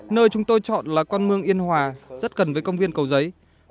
nơi chúng tôi chọn là con mương yên hòa rất gần với công viên cầu giấy